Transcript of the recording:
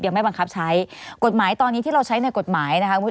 ยังไม่บังคับใช้กฎหมายตอนนี้ที่เราใช้ในกฎหมายนะคะ